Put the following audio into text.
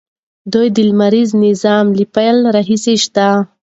دوی د لمریز نظام له پیل راهیسې شته.